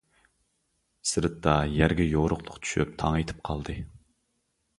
سىرتتا يەرگە يورۇقلۇق چۈشۈپ تاڭ ئېتىپ قالدى.